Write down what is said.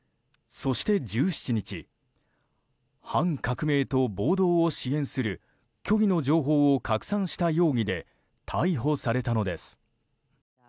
そして１７日反革命と暴動を支援する虚偽の情報を拡散した容疑で逮捕されたのです。